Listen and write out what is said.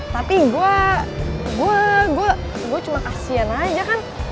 tapi gue gue cuma kasian aja kan